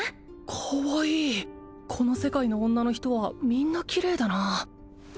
かわいいこの世界の女の人はみんなキレイだなあ